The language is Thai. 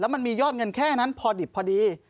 มันมียอดเงินแค่นั้นพอดิบพอดี